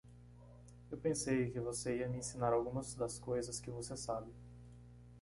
Eu pensei que você ia me ensinar algumas das coisas que você sabe.